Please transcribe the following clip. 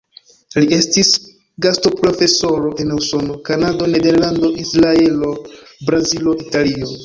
Li estis gastoprofesoro en Usono, Kanado, Nederlando, Izraelo, Brazilo, Italio.